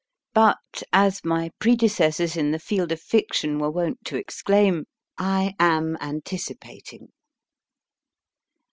But, as my predecessors in the field of Fiction were wont to exclaim, I am anticipating.